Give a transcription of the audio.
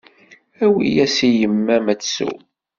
Awi-yas i yemma-m ad tsew.